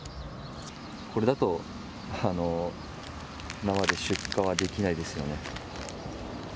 これだと生で出荷はできないですよね。